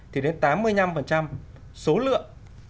thì đến tám mươi năm số lượng